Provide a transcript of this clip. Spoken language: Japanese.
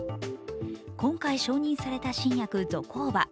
今回承認された新薬ゾコーバ。